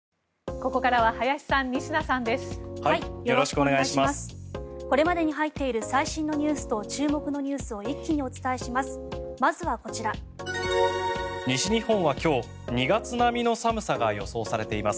これまでに入っている最新ニュースと注目ニュースを一気にお伝えします。